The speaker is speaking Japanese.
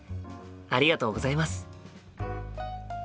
ありがとうございます。